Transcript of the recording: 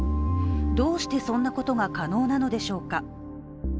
どうしてそんなことが可能なのでしょうか。